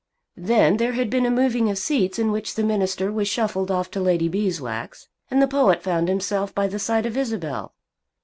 Then there had been a moving of seats in which the minister was shuffled off to Lady Beeswax, and the poet found himself by the side of Isabel.